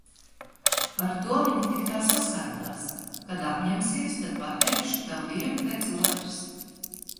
Par to viņa tik tā saskaitās. Kad apņemsies, tad pateikšu tev vienu pēc otras.